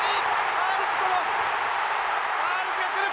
アールズとのアールズが来る！